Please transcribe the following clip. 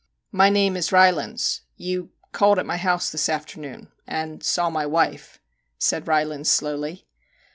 1 ' My name is Rylands ; you called at my house this afternoon and saw my wife/ said Rylands slowly.